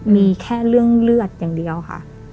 มีแค่เรื่องเลือดอย่างเดียวค่ะ